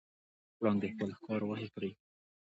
پړانګ د خپل ښکار غوښې خوري.